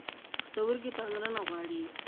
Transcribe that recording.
پښتورګي پاملرنه غواړي.